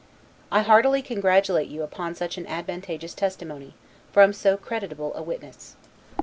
I heartily congratulate you upon such an advantageous testimony, from so creditable a witness.